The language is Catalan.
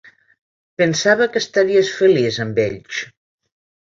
Pensava que estaries feliç amb ells.